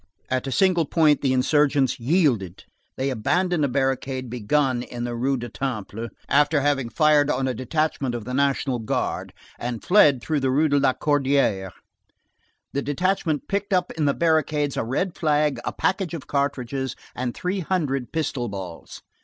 At a single point the insurgents yielded; they abandoned a barricade begun in the Rue de Temple after having fired on a detachment of the National Guard, and fled through the Rue de la Corderie. The detachment picked up in the barricade a red flag, a package of cartridges, and three hundred pistol balls.